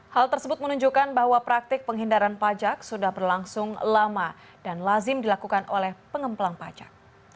hal tersebut menunjukkan bahwa praktik penghindaran pajak sudah berlangsung lama dan lazim dilakukan oleh pengemplang pajak